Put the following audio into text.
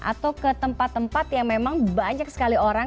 atau ke tempat tempat yang memang banyak sekali orang